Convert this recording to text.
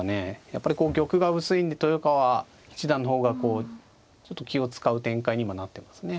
やっぱり玉が薄いんで豊川七段の方がこうちょっと気を遣う展開に今なってますね。